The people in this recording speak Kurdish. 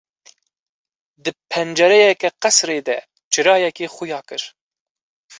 Di pencereke qesirê de çirayekê xuya kir.